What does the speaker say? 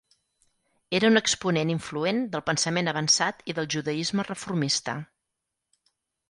Era un exponent influent del pensament avançat i del judaisme reformista.